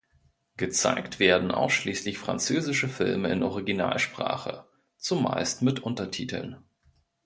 Gezeigt werden ausschließlich französische Filme in Originalsprache, zumeist mit Untertiteln.